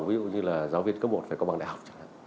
ví dụ như là giáo viên cấp một phải có bằng đại học